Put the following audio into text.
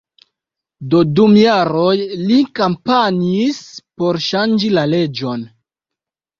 Do dum jaroj li kampanjis por ŝanĝi la leĝon.